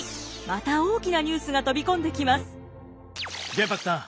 玄白さん